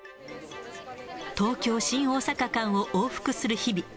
東京・新大阪間を往復する日々。